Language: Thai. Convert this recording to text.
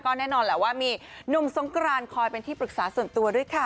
แน่นอนแหละว่ามีหนุ่มสงกรานคอยเป็นที่ปรึกษาส่วนตัวด้วยค่ะ